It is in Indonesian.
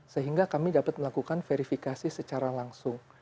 sehingga kami dapat melakukan verifikasi secara langsung